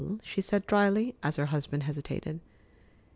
she said dryly, as her husband hesitated.